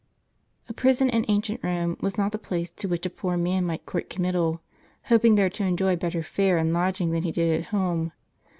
A prison in ancient Rome was not the place to which a poor man might court committal, hoping there to enjoy better fare and lodging than he did at home.